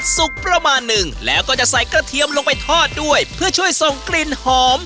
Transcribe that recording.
ประมาณหนึ่งแล้วก็จะใส่กระเทียมลงไปทอดด้วยเพื่อช่วยส่งกลิ่นหอม